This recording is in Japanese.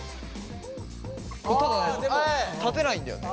ただね立てないんだよね。